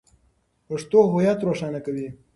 پښتو هویت روښانه کوي.